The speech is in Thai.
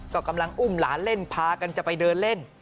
ก็กำลังอุ้มหลานเล่นพากันจะไปเดินเล่น